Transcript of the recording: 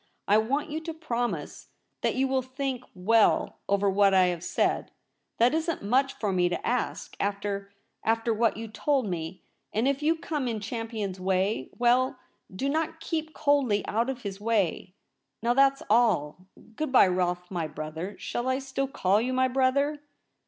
I want you to promise that you will think well over what I have said. That isn't much for me to ask, after — after what you told me. And if you come in Champion's way — well, do not keep coldly out of his way. Now that's all. Good bye, Rolfe, my brother — shall I still call you my brother